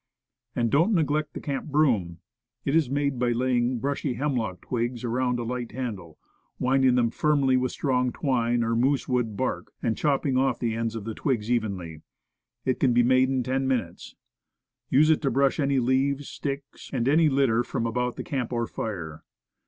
And don't neglect the camp broom. It is made by laying bushy hemlock twigs around a light handle, winding them firmly with strong twine or moose wood bark, and chopping off the ends of the twigs evenly. It can be made in ten minutes. Use it to brush any leaves, sticks, and any litter from about the camp or fire.